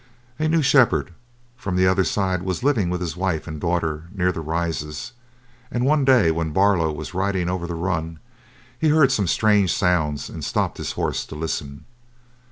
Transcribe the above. A new shepherd from the other side was living with his wife and daughter near the Rises, and one day when Barlow was riding over the run, he heard some strange sounds, and stopped his horse to listen.